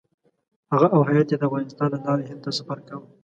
هغه او هیات یې د افغانستان له لارې هند ته سفر کاوه.